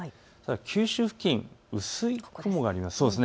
九州付近、薄い雲があります。